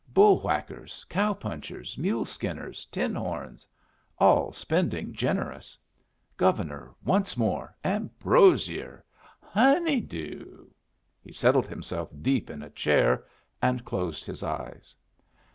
"Bull whackers, cow punchers, mule skinners, tin horns. All spending generous. Governor, once more! Ambrosier. Honey doo." He settled himself deep in a chair, and closed his eyes.